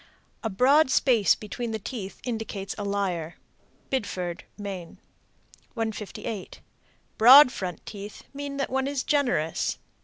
A broad space between the teeth indicates a liar. Biddeford, Me. 158. Broad front teeth mean that one is generous.